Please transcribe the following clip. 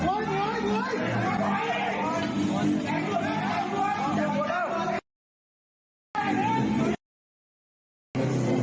ราชินีศเข้าใจ้นแห่งแห่งศาลศัตริย์และอิพิเศษ